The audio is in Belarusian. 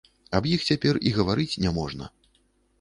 Аб іх цяпер і гаварыць не можна.